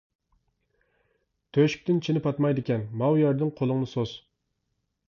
تۆشۈكتىن چىنە پاتمايدىكەن، ماۋۇ يەردىن قولۇڭنى سوز.